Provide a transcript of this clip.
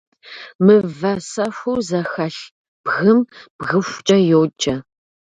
Мывэсэхуу зэхэлъ бгым бгыхукӏэ йоджэ.